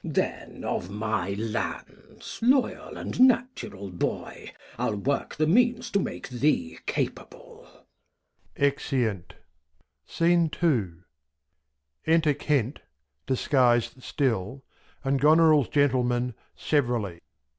Then of my Lands, loyal and natural Boy, I'll work the Means to make thee capable. [Exeunt. Enter Kent {disguis'd still) and Goneril's Gentleman, severally.